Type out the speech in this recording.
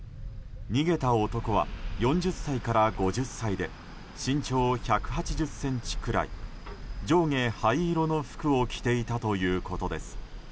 逃げた男は４０歳から５０歳で身長１８０ｃｍくらい上下灰色の服を着ていたということです。